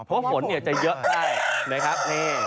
เพราะฝนเนี่ยจะเยอะได้นะครับ